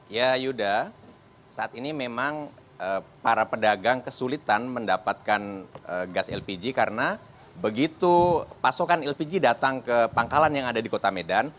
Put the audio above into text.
ya yuda saat ini memang para pedagang kesulitan mendapatkan gas lpg karena begitu pasokan lpg datang ke pangkalan yang ada di kota medan